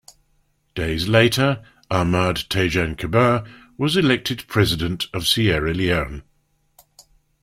Days later, Ahmad Tejan Kabbah was elected President of Sierra Leone.